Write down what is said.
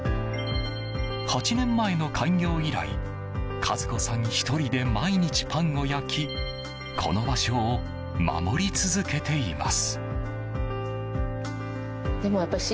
８年前の開業以来和子さん１人で毎日パンを焼きこの場所を守り続けています。